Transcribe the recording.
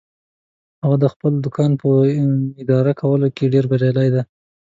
هغه د خپل دوکان په اداره کولو کې ډیر بریالی ده